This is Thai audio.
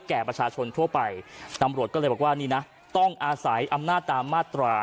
แก่ประชาชนทั่วไปตำรวจก็เลยบอกว่านี่นะต้องอาศัยอำนาจตามมาตรา